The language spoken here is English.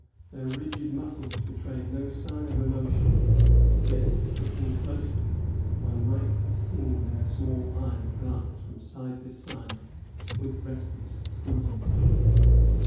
Their rigid muscles betrayed no sign of emotion; yet, looking closely, one might have seen their small eyes glance from side to side with restless scrutiny.